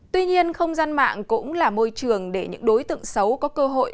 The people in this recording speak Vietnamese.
tuy nhiên không gian mạng cũng là môi trường để những đối tượng xấu có cơ hội